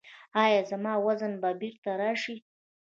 ایا زما وزن به بیرته راشي؟